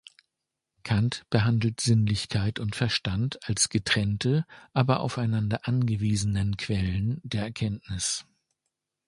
Kant behandelt Sinnlichkeit und Verstand als getrennte, aber auf einander angewiesenen Quellen der Erkenntnis.